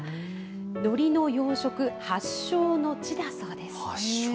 のりの養殖発祥の地だそうです。